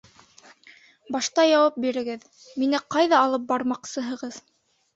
Башта яуап бирегеҙ, мине ҡайҙа алып бармаҡсыһығыҙ?